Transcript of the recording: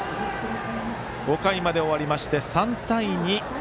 ５回まで終わりまして、３対２。